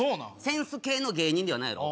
センス系の芸人ではないやろ